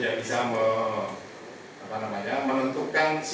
dan bisa juga digunakan untuk industri